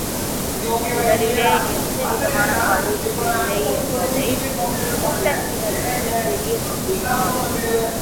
உடலிலே எந்தவிதமான பழுதும் இல்லை என்பதைக் கூட்டத்தினருக்குத் தெரியப்படுத்தினான்.